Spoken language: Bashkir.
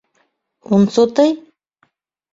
-Ун сутый?